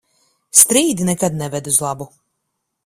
Strīdi nekad neved uz labu.